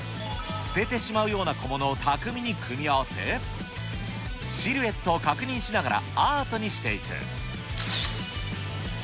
捨ててしまうような小物を巧みに組み合わせ、シルエットを確認しながらアートにしていく。